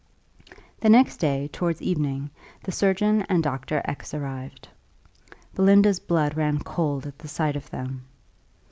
The next day, towards evening, the surgeon and Dr. X arrived. Belinda's blood ran cold at the sight of them.